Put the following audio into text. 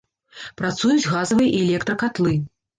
Працуюць газавыя і электракатлы.